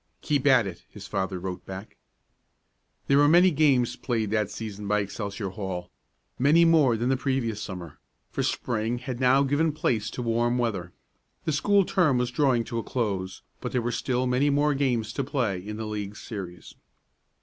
"Keep at it," his father wrote back. There were many games played that season by Excelsior Hall many more than the previous Summer for Spring had now given place to warm weather. The school term was drawing to a close, but there were still many more games to play in the league series.